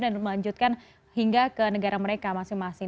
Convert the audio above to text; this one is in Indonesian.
dan melanjutkan hingga ke negara mereka masing masing